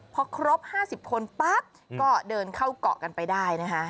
พอครบ๕๐คนปั๊บก็เดินเข้าเกาะกันไปได้นะคะ